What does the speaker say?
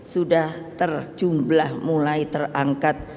sudah terjumlah mulai terangkat